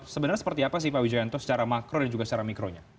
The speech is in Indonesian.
sebenarnya seperti apa sih pak wijayanto secara makro dan juga secara mikronya